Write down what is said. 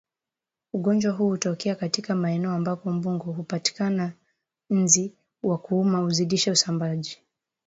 Ugonjwa huu hutokea katika maeneo ambapo mbungo hupatikana Nzi wa kuuma huzidisha usambaaji